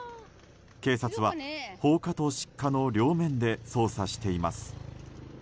警察は放火と失火の両面で捜査しています。